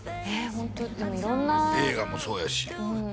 ホントでも色んな映画もそうやしうん